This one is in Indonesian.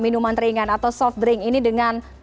minuman ringan atau soft drink ini dengan